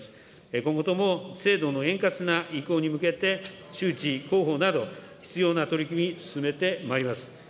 今後とも制度の円滑な移行に向けて周知、広報など、必要な取り組み、進めてまいります。